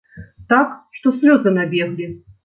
Так, што слёзы набеглі.